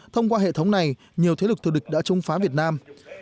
thông qua hệ thống này nhiều thế lực thừa địch đã trung phá việt nam